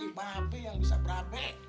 mbak be yang bisa berabe